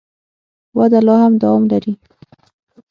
وده لا هم دوام لري.